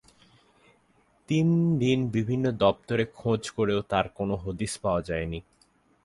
তিন দিন বিভিন্ন দপ্তরে খোঁজ করেও তাঁর কোনো হদিস পাওয়া যায়নি।